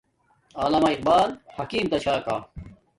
علامہ اقبال حکیم تا چھا کا